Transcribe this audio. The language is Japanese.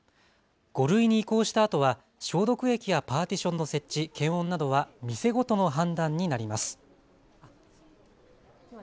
５類に移行したあとは消毒液やパーティションの設置、検温などは店ごとの判断になります。